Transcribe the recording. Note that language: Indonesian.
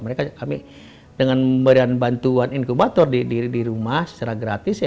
mereka kami dengan memberikan bantuan inkubator di rumah secara gratis